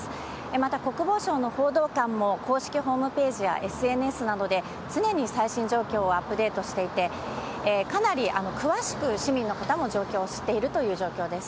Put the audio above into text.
また国防省の報道官も、公式ホームページやＳＮＳなどで、常に最新状況をアップデートしていて、かなり詳しく市民の方も状況を知っているという状況です。